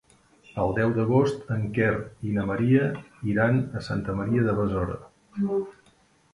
El deu d'agost en Quer i na Maria iran a Santa Maria de Besora.